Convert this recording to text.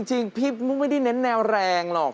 จริงพี่ไม่ได้เน้นแนวแรงหรอก